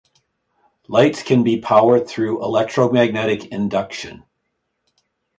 Lights can be powered through electromagnetic induction.